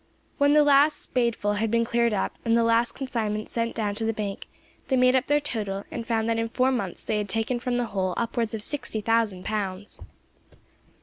When the last spadeful had been cleared up, and the last consignment sent down to the bank, they made up their total, and found that in four months they had taken from the hole upwards of sixty thousand pounds.